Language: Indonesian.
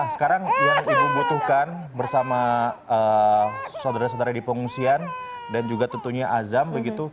sekarang yang ibu butuhkan bersama saudara saudara di pengungsian dan juga tentunya azam begitu